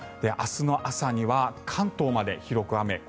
明日の朝には関東まで広く雨。